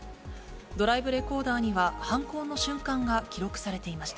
ドライブレコーダーには犯行の瞬間が記録されていました。